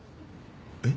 えっ？